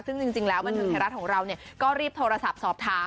ซึ่งจริงแล้วบันเทิงไทยรัฐของเราก็รีบโทรศัพท์สอบถาม